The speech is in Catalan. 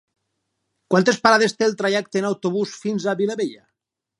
Quantes parades té el trajecte en autobús fins a Vilabella?